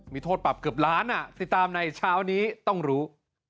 มีโทษปรับเกือบล้านติดตามในเช้านี้ต้องรู้